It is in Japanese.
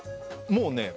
もうね